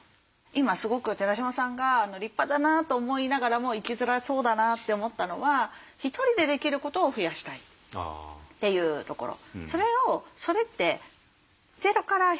今すごく寺島さんが立派だなと思いながらも生きづらそうだなって思ったのは「１人でできることを増やしたい」っていうところ。